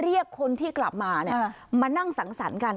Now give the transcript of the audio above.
เรียกคนที่กลับมามานั่งสังสรรค์กัน